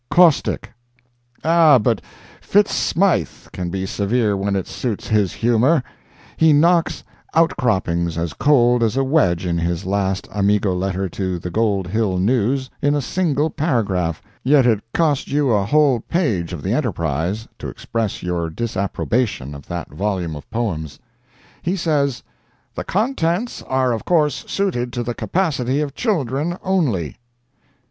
CAUSTIC Ah, but Fitz Smythe can be severe when it suits his humor. He knocks "Outcroppings" as cold as a wedge in his last "Amigo" letter to the Gold Hill News, in a single paragraph—yet it cost you a whole page of the Enterprise to express your disapprobation of that volume of poems. He says, "The contents are of course suited to the capacity of children only."